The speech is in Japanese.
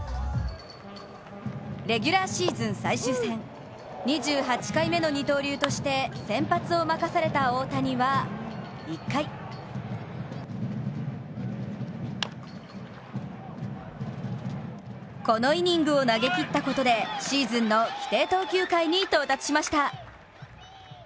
レギュラーシーズン最終戦、２８回目の二刀流として先発を任された大谷は１回このイニングを投げきったことでシーズンの規定投球回に到達しました。